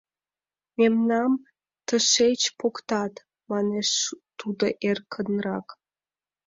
— Мемнам тышеч поктат, — манеш тудо эркынрак.